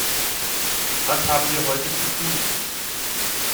Was haben wir heute zu tun?